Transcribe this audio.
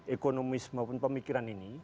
ekonomis maupun pemikiran ini